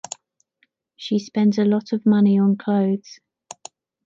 She spends a lot of money on clothes.